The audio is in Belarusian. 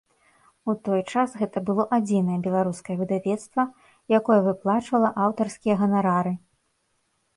У той час гэта было адзінае беларускае выдавецтва, якое выплачвала аўтарскія ганарары.